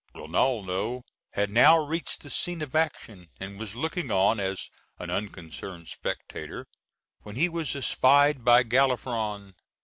Rinaldo had now reached the scene of action, and was looking on as an unconcerned spectator, when he was espied by Galafron.